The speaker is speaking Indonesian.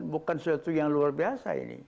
bukan sesuatu yang luar biasa ini